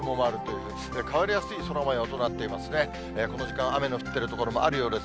この時間、雨の降ってる所もあるようです。